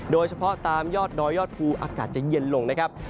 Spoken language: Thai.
โดยเฉพาะตามยอดดอยยอดภูอากาศจะเย็นลงนะครับ